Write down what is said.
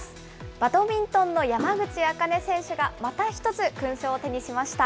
バドミントンの山口茜選手が、また１つ、勲章を手にしました。